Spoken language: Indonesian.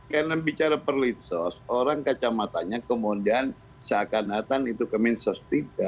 karena bicara perlin sos orang kacamatanya kemudian seakan akan itu ke min sos tiga